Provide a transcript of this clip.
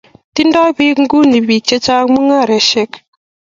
Tindoi bik nguni bik chechang mungaresiek